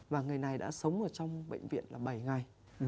và người này đã sống trong bệnh viện bảy ngày